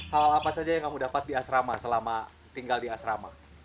hal apa saja yang kamu dapat di asrama selama tinggal di asrama